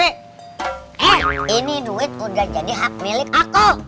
eh ini duit udah jadi hak milik aku